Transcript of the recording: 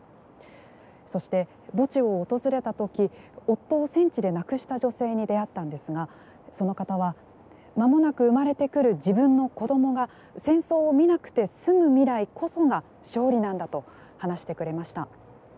そして、墓地を訪れたとき夫を戦地でなくした女性に出会ったんですがその方はまもなく生まれてくる自分の子どもが戦争を見なくて済む未来こそが勝利なんだと話してくれました。